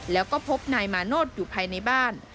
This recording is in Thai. แล้วก็พบนายมาโนธอยู่ภายในบ้าน